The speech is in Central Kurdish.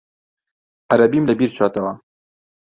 عەرەبیم لەبیر چۆتەوە.